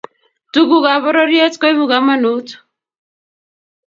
Tuguk ab bororet koibu kamanu